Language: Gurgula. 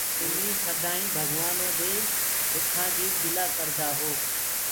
تمي سڌئينٚ ڀگوآنو دي دُکآ ڪي گِلآ ڪردآ هو۔